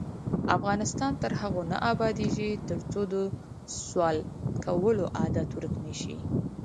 افغانستان تر هغو نه ابادیږي، ترڅو د سوال کولو عادت ورک نشي.